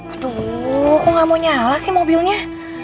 aduh kok gak mau nyala sih mobilnya